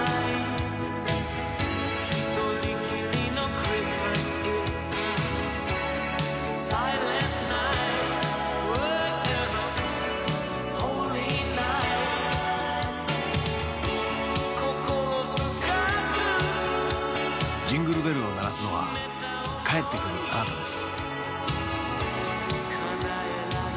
『クリスマス・イブ』「ジングルベルを鳴らすのは帰ってくるあなたです」